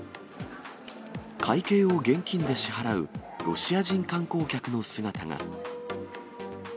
会計を現金で支払うロシア人観光客の姿が。